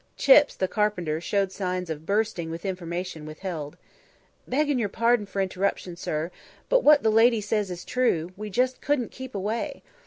Chips, the carpenter, showed signs of bursting with information withheld. "Beggin' your pardon for interruption, sir, but what; the lady says is true; we just couldn't keep away.